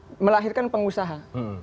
di apa melahirkan pengusaha